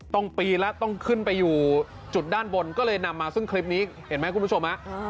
ปีนแล้วต้องขึ้นไปอยู่จุดด้านบนก็เลยนำมาซึ่งคลิปนี้เห็นไหมคุณผู้ชมฮะ